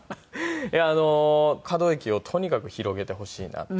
可動域をとにかく広げてほしいなって